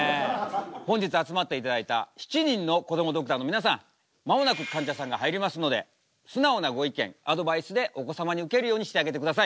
本日集まっていただいた７人のこどもドクターの皆さん間もなくかんじゃさんが入りますので素直なご意見アドバイスでお子様にウケるようにしてあげてください。